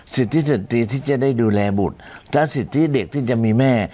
สิทธิสตรีที่จะได้ดูแลบุตรและสิทธิเด็กที่จะมีแม่